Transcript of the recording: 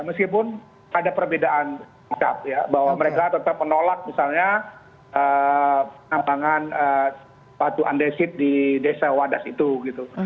meskipun ada perbedaan sikap ya bahwa mereka tetap menolak misalnya penambangan batu andesit di desa wadas itu gitu